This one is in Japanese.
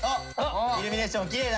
「イルミネーションきれいだね」。